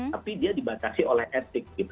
tapi dia dibatasi oleh etik